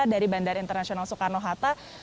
dari bandara soekarno hatta